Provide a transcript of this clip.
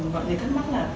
mọi người thắc mắc là